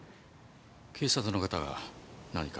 警察の方が何か？